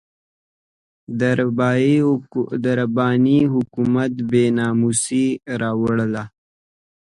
د رباني حکومت بې ناموسي راواړوله.